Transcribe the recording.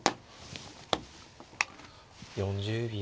４０秒。